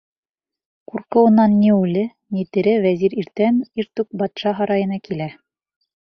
Ҡурҡыуынан ни үле, ни тере вәзир иртән иртүк батша һарайына килә.